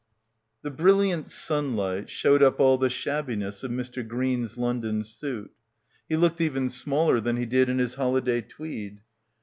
4 The brilliant sunlight showed up'all the shabbi ness of Mr. Green's London suit. He looked even smaller than he did in his holiday tweed.